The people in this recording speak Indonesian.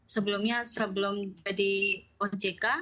sebelumnya sebelum jadi ojk